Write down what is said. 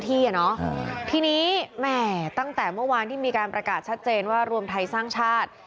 ทีนี้แหมตั้งแต่เมื่อวานที่มีการประกาศชัดเจนว่ารวมไทยสร้างชาติ